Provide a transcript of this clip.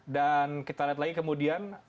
dan kita lihat lagi kemudian